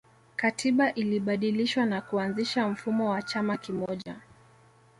katiba ilibadilishwa na kuanzisha mfumo wa chama kimoja